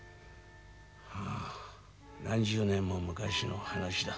何十年も昔の話だ。